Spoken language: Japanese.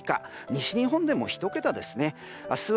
西日本でも１桁ですね。